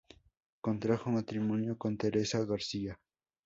Contrajo matrimonio con Teresa García.